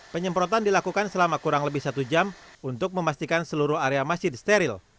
penyemprotan dilakukan selama kurang lebih satu jam untuk memastikan seluruh area masjid steril